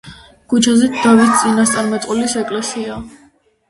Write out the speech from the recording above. ქუჩაზეა დავით წინასწარმეტყველის ეკლესია.